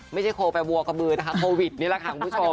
ไม่ใช่โคแปลวัวกระบือนะคะโควิดนี่แหละค่ะคุณผู้ชม